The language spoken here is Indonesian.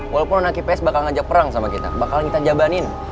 walaupun anak ipa ips bakal ngajak perang sama kita bakal kita jabanin